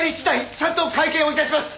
ちゃんと会見を致します。